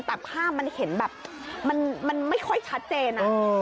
แต่ภาพมันเห็นแบบมันไม่ค่อยชัดเจน